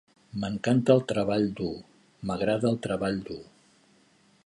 M'encanta el treball dur; M'agrada el treball dur.